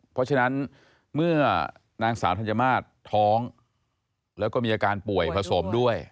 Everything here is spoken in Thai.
เพราะฉะนั้นเมื่อนางสาวธัญมาตรท้องแล้วก็มีอาการป่วยผสมด้วย